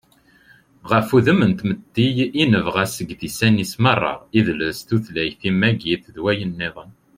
ɣef wudem n tmetti i nebɣa seg yidisan-is meṛṛa: idles, tutlayt, timagit, d wayen-nniḍen